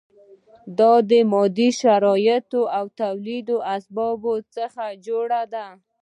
دا د مادي شرایطو او تولیدي اسبابو څخه جوړه ده.